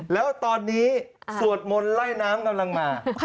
แล้วตอนนี้สวดมนต์ไล่น้ำกำลังมา